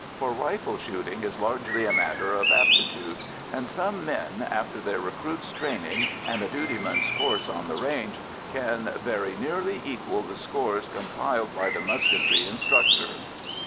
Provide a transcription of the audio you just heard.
For rifle shooting is largely a matter of aptitude, and some men, after their recruits' training and a duty man's course on the range, can very nearly equal the scores compiled by the musketry instructor.